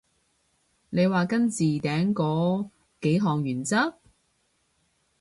你話跟置頂嗰幾項原則？